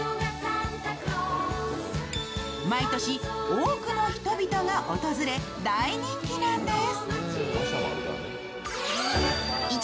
毎年多くの人々が訪れ大人気なんです。